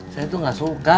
saya tuh gak suka